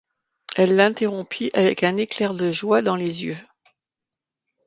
Elle l’interrompit avec un éclair de joie dans les yeux.